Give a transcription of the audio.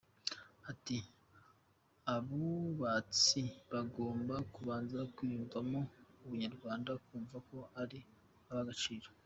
Ati “Abubatsi bagomba kubanza kwiyumvamo ubunyarwanda, kumva ko ari ab’agaciro.